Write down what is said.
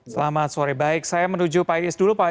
selamat sore baik saya menuju pak is dulu